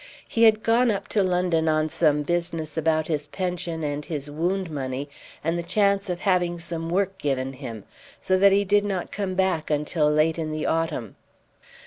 He had gone up to London on some business about his pension and his wound money, and the chance of having some work given him, so that he did not come back until late in the autumn.